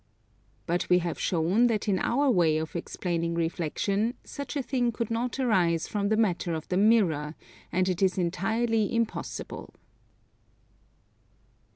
But we have shown that in our way of explaining reflexion, such a thing could not arise from the matter of the mirror, and it is entirely impossible.